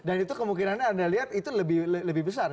dan itu kemungkinannya anda lihat itu lebih besar